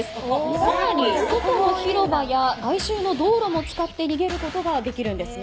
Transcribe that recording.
更に外の広場や外周の道路も使って逃げることができるんですね。